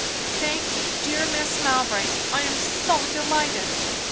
"Thank you, dear Mrs. Mowbray! I am so delighted."